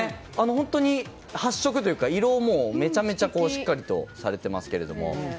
本当に発色というか色もめちゃめちゃしっかりとされていますけど。